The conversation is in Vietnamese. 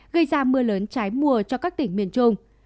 gây ra mưa lớn trái mùa cho các tỉnh miền trung